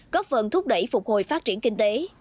góp phần thúc đẩy phục hồi phát triển kinh tế